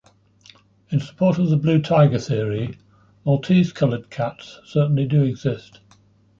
In support of the blue tiger theory, Maltese-colored cats certainly do exist.